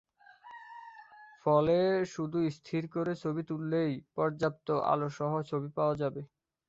ফলে শুধু স্থির করে ছবি তুললেই পর্যাপ্ত আলোসহ ছবি পাওয়া যাবে।